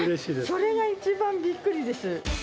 それが一番びっくりです。